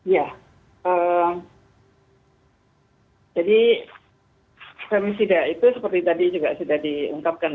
ya jadi femisida itu seperti tadi juga sudah diungkapkan